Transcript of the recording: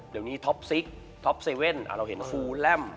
เดี๋ยวนี้ท็อป๖ท็อป๗เราเห็นฟูแล่ม